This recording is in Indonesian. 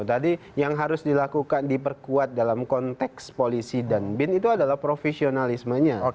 tadi yang harus dilakukan diperkuat dalam konteks polisi dan bin itu adalah profesionalismenya